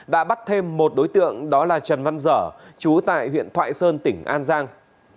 đã bắt thêm một đối tượng đó là trần văn dở chú tại huyện thoại sơn tỉnh an giang